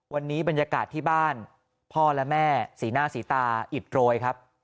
วันนี้บรรยากาศที่บ้านพ่อและแม่สีหน้าสีตาอิดโรยครับ